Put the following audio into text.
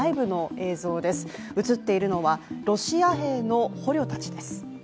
映っているのはロシア兵の捕虜たちです。